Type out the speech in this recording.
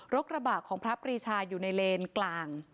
กระบะของพระปรีชาอยู่ในเลนกลาง